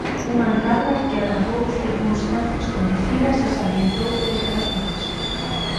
Unha encarga que agravou "circunstancias coñecidas e salientou outras novas".